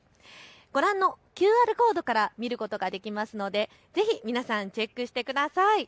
ご覧のＱＲコードから見ることができますのでぜひ皆さん、チェックしてください。